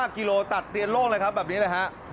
กิโลตัดเตียนโลกเลยครับแบบนี้เลยฮะ